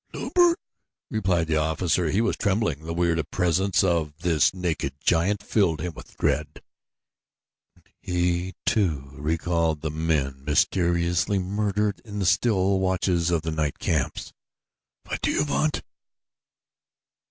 "Luberg," replied the officer. He was trembling. The weird presence of this naked giant filled him with dread. He, too, recalled the men mysteriously murdered in the still watches of the night camps. "What do you want?"